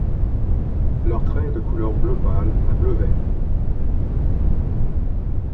Leur trait est de couleur bleu pâle à bleu-vert.